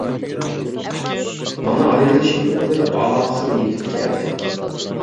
مانا ئايرىلىش مىنۇتلىرى ئاخىر يېتىپ كەلدى!